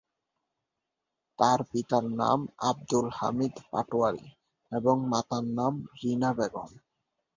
তার পিতার নাম আব্দুল হামিদ পাটোয়ারী এবং মাতার নাম রিনা বেগম।